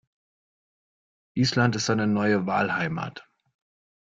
Island ist seine neue Wahlheimat.